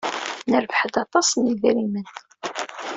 Nerbeḥ-d aṭas n yidrimen.